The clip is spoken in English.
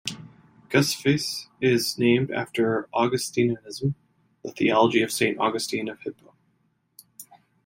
Gusphase is named after Augustinianism, the theology of Saint Augustine of Hippo.